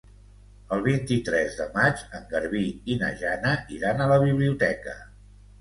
El vint-i-tres de maig en Garbí i na Jana iran a la biblioteca.